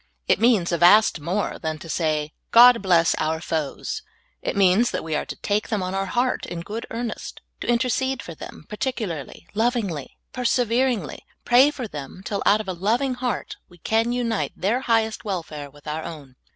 It means a vast more than to say, *'God bless our foes." It means that we are to take them on our heart in good earnest, and intercede for them, particularly, lovingly, perse veringly — pra}^ for them till out of a loving heart we can unite their highest welfare with our own.